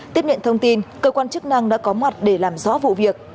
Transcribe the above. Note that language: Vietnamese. tiếp nhận thông tin cơ quan chức năng đã có mặt để làm rõ vụ việc